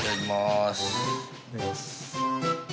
いただきまーす。